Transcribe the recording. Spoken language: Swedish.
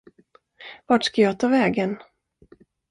Vart ska jag ta vägen?